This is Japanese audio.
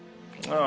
ああ